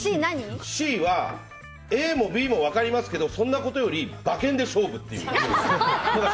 ＣはＡもＢも分かりますけどそんなことより馬券で勝負っていう。